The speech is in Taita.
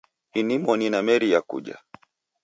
Inimoni nameria kuja